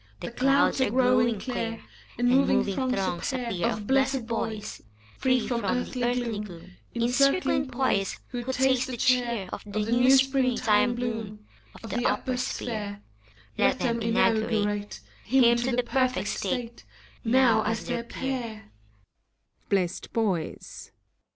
The clouds are growing clear; And moving throngs appear Of Blessed Boys, Free from the earthly gloom. 264 FAUST. In circling poise, Who taste the cheer Of the new spring time bloom Of the upper sphere. Let them inaugurate Him to the perfect state. Now, as their peer!